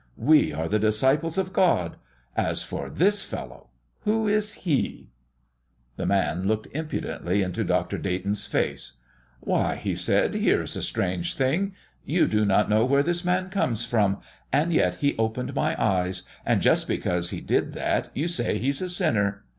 We are the disciples of God. As for this Fellow who is He?" The man looked impudently into Dr. Dayton's face. "Why," said he, "here is a strange thing. You do not know where this Man comes from, and yet He opened my eyes, and just because He did that you say He's a sinner.